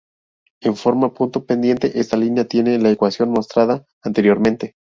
En forma punto-pendiente, esta línea tiene la ecuación mostrada anteriormente.